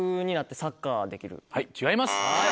はい違います。